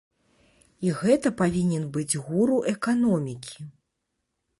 І гэта павінен быць гуру эканомікі.